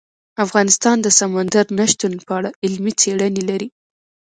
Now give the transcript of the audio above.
افغانستان د سمندر نه شتون په اړه علمي څېړنې لري.